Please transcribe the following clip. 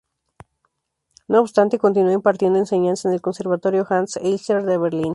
No obstante, continúa impartiendo enseñanza en el Conservatorio Hanns Eisler de Berlín.